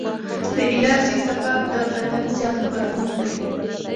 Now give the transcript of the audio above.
د الرجي سبب د بدن زیات غبرګون دی.